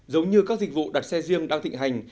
giống như các dịch vụ đặt xe riêng đang thịnh hành